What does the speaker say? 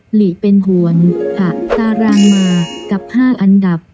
หลีเป็นห่วงหะตารางมากับ๕อันดับ